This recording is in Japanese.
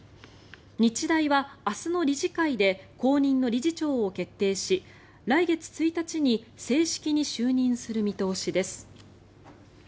日大は明日の理事会で後任の理事長を決定し来月１日に正式に就任する見通しです。